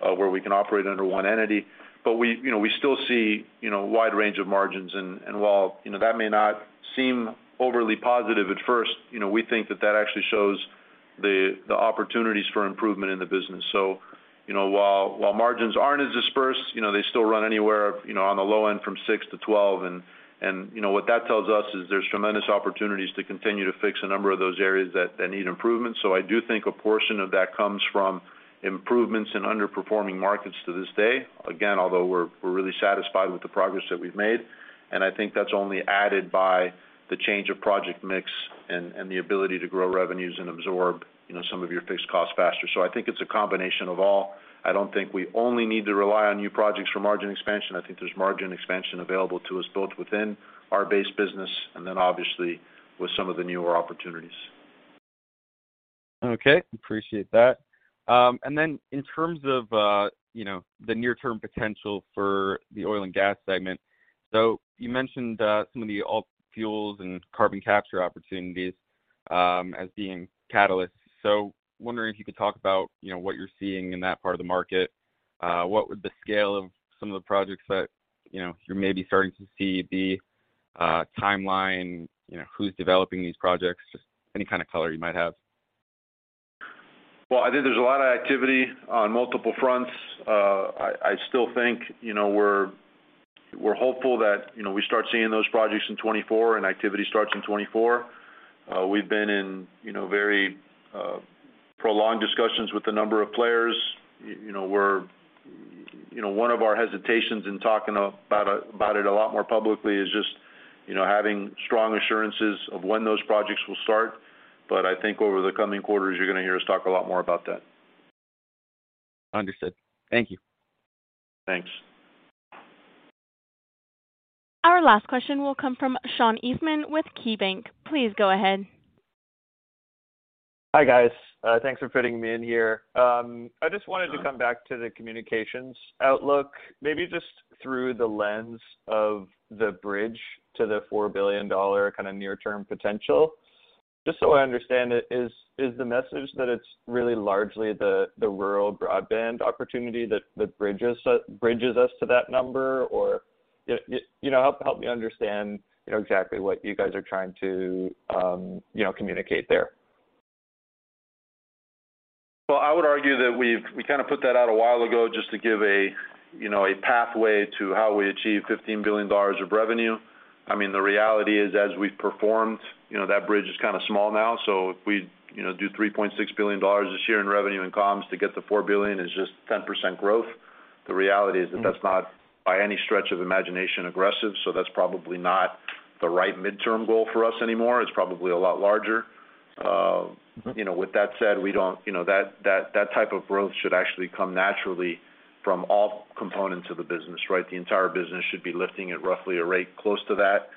where we can operate under one entity, but we, you know, we still see, you know, a wide range of margins. While, you know, that may not seem overly positive at first, you know, we think that that actually shows the opportunities for improvement in the business. You know, while margins aren't as dispersed, you know, they still run anywhere, you know, on the low end from 6%-12%. You know, what that tells us is there's tremendous opportunities to continue to fix a number of those areas that need improvement. I do think a portion of that comes from improvements in underperforming markets to this day. Again, although we're really satisfied with the progress that we've made, and I think that's only added by the change of project mix and the ability to grow revenues and absorb, you know, some of your fixed costs faster. I think it's a combination of all. I don't think we only need to rely on new projects for margin expansion. I think there's margin expansion available to us both within our base business and then obviously with some of the newer opportunities. Okay. Appreciate that. In terms of, you know, the near-term potential for the oil and gas segment, you mentioned some of the alt fuels and carbon capture opportunities, as being catalysts. Wondering if you could talk about, you know, what you're seeing in that part of the market? What would the scale of some of the projects that, you know, you're maybe starting to see be, timeline, you know, who's developing these projects? Just any kind of color you might have. Well, I think there's a lot of activity on multiple fronts. I still think, you know, we're hopeful that, you know, we start seeing those projects in 2024 and activity starts in 2024. We've been in, you know, very prolonged discussions with a number of players. You know, one of our hesitations in talking about it a lot more publicly is just, you know, having strong assurances of when those projects will start. I think over the coming quarters, you're gonna hear us talk a lot more about that. Understood. Thank you. Thanks. Our last question will come from Sean Eastman with KeyBanc. Please go ahead. Hi, guys. Thanks for fitting me in here. I just wanted to come back to the communications outlook, maybe just through the lens of the bridge to the $4 billion kind of near-term potential. Just so I understand it, is the message that it's really largely the rural broadband opportunity that bridges us to that number? You know, help me understand, you know, exactly what you guys are trying to, you know, communicate there. I would argue that we kind of put that out a while ago just to give a, you know, a pathway to how we achieve $15 billion of revenue. I mean, the reality is, as we've performed, you know, that bridge is kind of small now. If we, you know, do $3.6 billion this year in revenue and comms, to get to $4 billion is just 10% growth. The reality is that that's not by any stretch of imagination aggressive, so that's probably not the right midterm goal for us anymore. It's probably a lot larger. You know, with that said, we don't, you know, that type of growth should actually come naturally from all components of the business, right? The entire business should be lifting at roughly a rate close to that.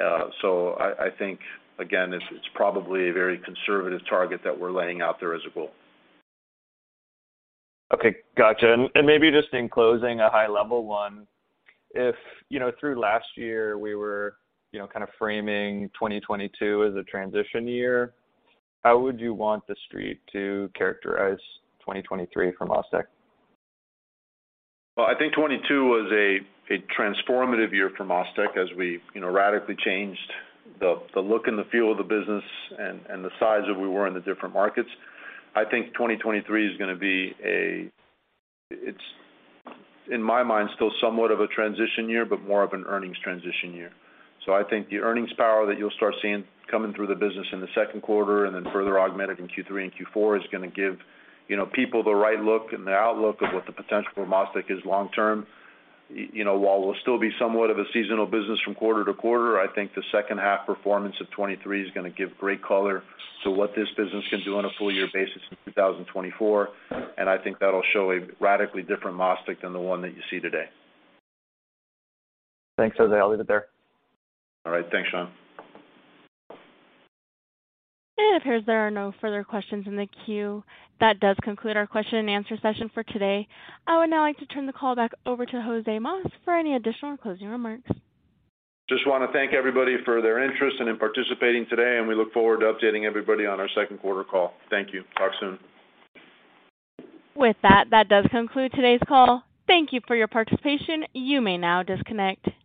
I think, again, it's probably a very conservative target that we're laying out there as a goal. Okay. Gotcha. Maybe just in closing, a high level one. If, you know, through last year we were, you know, kind of framing 2022 as a transition year, how would you want the street to characterize 2023 from MasTec? I think 2022 was a transformative year from MasTec as we, you know, radically changed the look and the feel of the business and the size that we were in the different markets. I think 2023 is gonna be. It's in my mind still somewhat of a transition year, but more of an earnings transition year. I think the earnings power that you'll start seeing coming through the business in the second quarter and then further augmented in Q3 and Q4 is gonna give, you know, people the right look and the outlook of what the potential for MasTec is long term. You know, while we'll still be somewhat of a seasonal business from quarter to quarter, I think the second half performance of 2023 is gonna give great color to what this business can do on a full year basis in 2024, and I think that'll show a radically different MasTec than the one that you see today. Thanks, Jose. I'll leave it there. All right. Thanks, Sean. It appears there are no further questions in the queue. That does conclude our question and answer session for today. I would now like to turn the call back over to Jose Mas for any additional closing remarks. Just wanna thank everybody for their interest and in participating today, and we look forward to updating everybody on our second quarter call. Thank you. Talk soon. With that does conclude today's call. Thank you for your participation. You may now disconnect.